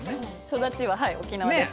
育ちははい沖縄です。